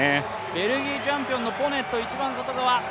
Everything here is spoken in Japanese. ベルギーチャンピオンのポネット一番外側。